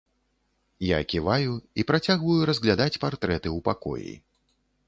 Я ківаю і працягваю разглядаць партрэты ў пакоі.